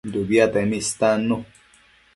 Dëbiatemi istannu